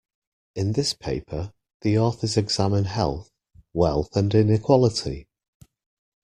In this paper, the authors examine health, wealth and inequality.